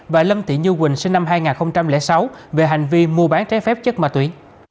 và lâm thị như quỳnh sinh năm hai nghìn sáu về hành vi mua bán trái phép chất ma túy